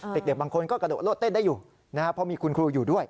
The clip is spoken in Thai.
เด็กบางคนก็กระโดดโลดเต้นได้อยู่นะครับเพราะมีคุณครูอยู่ด้วย